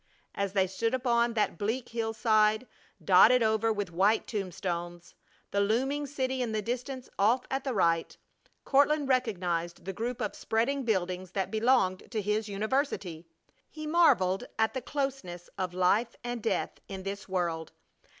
As they stood upon that bleak hillside, dotted over with white tombstones, the looming city in the distance off at the right, Courtland recognized the group of spreading buildings that belonged to his university. He marveled at the closeness of life and death in this world.